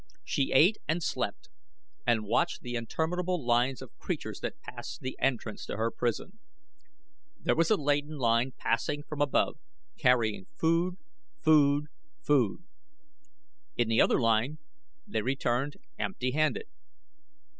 She ate and slept and watched the interminable lines of creatures that passed the entrance to her prison. There was a laden line passing from above carrying food, food, food. In the other line they returned empty handed.